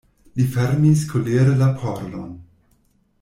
Li fermis kolere la pordon.